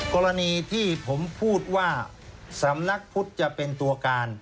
กรณีที่ผมพูดว่าสำนักพุทธจะเป็นตัวการ